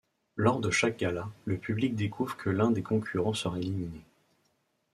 Lors de chaque gala, le public découvre que l'un des concurrents sera éliminé.